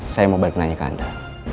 saya mau balik nanya ke anda